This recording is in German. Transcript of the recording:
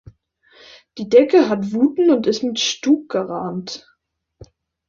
Die Decke hat Vouten und ist mit Stuck gerahmt.